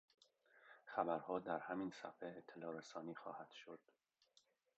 خبرها در همین صفحه اطلاعرسانی خواهد شد